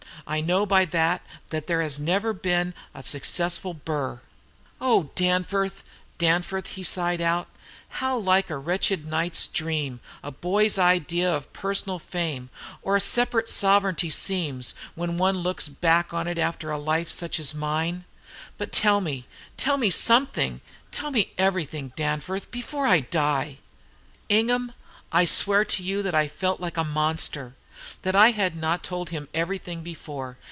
I know by that that there has never been any successful Burr, O Danforth, Danforth,' he sighed out, 'how like a wretched night's dream a boy's idea of personal fame or of separate sovereignty seems, when one looks back on it after such a life as mine! But tell me, tell me something, tell me everything, Danforth, before I die!' "Ingham, I swear to you that I felt like a monster that I had not told him everything before.